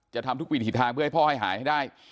ทำทุกวิถีทางเพื่อให้พ่อให้หายให้ได้